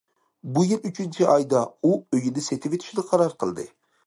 بۇ يىل ئۈچىنچى ئايدا، ئۇ ئۆيىنى سېتىۋېتىشنى قارار قىلدى.